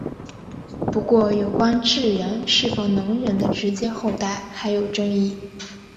不过有关智人是否能人的直接后代还有争议。